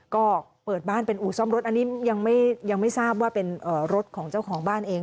ก็เปิดบ้านเป็นอู่ซ่อมรถอันนี้ยังไม่ทราบว่าเป็นรถของเจ้าของบ้านเอง